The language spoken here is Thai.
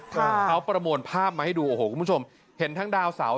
เขาประมวลภาพมาให้ดูโอ้โหคุณผู้ชมเห็นทั้งดาวเสา